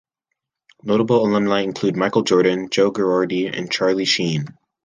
Notable alumni include Michael Jordan, Joe Girardi and Charlie Sheen.